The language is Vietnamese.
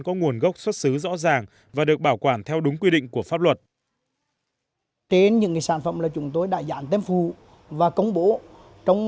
có nguồn gốc xuất xứ rõ ràng và được bảo quản theo đúng quy định của pháp luật